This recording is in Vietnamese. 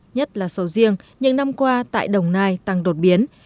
nhất là sầu riêng những năm qua tại đồng nai tăng đột biến